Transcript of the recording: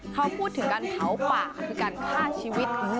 เขาพูดถึงการเผาป่าคือการฆ่าชีวิต